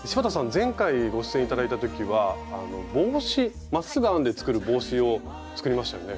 前回ご出演頂いた時は帽子まっすぐ編んで作る帽子を作りましたよね？